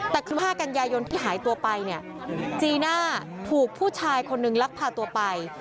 แต่คือ๕กันยายนที่หายตัวไปเนี่ยจีน่าถูกผู้ชายคนนึงลักพาตัวไป